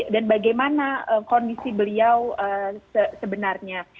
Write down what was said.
dan bagaimana kondisi beliau sebenarnya